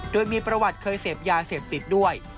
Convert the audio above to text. โดยมีประวัติเคยเสพยาเสพติดด้วย